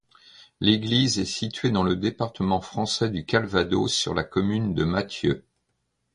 L'église est située dans le département français du Calvados, sur la commune de Mathieu.